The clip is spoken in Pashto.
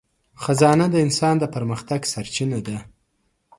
خزانه د انسان د پرمختګ سرچینه ده.